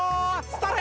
それ！